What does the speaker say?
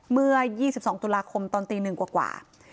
เมื่อ๒๒ตุลาคมตอนตี๑กว่า